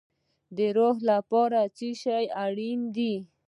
د روح لپاره څه شی اړین دی؟